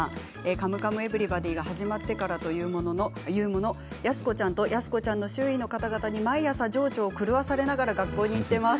「カムカムエヴリバディ」が始まってから安子ちゃんと安子ちゃん周囲の方々に毎朝情緒を狂わされながら学校に行っています。